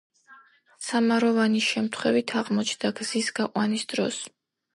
სამაროვანი შემთხვევით აღმოჩნდა გზის გაყვანის დროს.